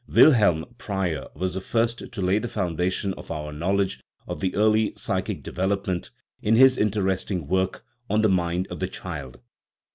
Wilhelm Preyer was the first 104 THE NATURE OF THE SOUL to lay the foundation of our knowledge of the early psychic development in his interesting work on The Mind of the Child.